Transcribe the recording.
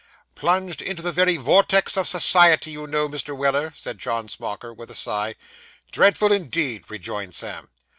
'Plunged into the very vortex of society, you know, Mr. Weller,' said Mr. John Smauker, with a sigh. 'Dreadful, indeed!' rejoined Sam.